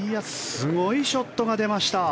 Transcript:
すごいショットが出ました。